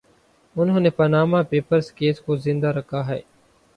انھوں نے Panama papers case کو زندہ رکھا ہے۔